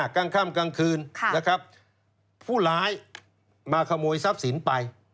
กลางค่ำกลางคืนนะครับผู้ร้ายมาขโมยทรัพย์สินไป